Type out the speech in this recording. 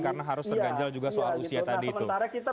karena harus terganjal juga soal usia tadi itu